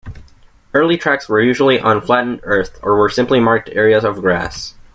Early tracks were usually on flattened earth or were simply marked areas of grass.